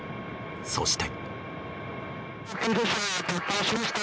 そして。